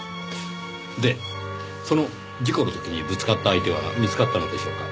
でその事故の時にぶつかった相手は見つかったのでしょうか？